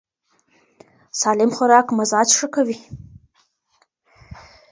سالم خوراک مزاج ښه کوي.